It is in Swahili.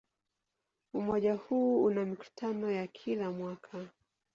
Umoja huu una mikutano ya kila mwaka.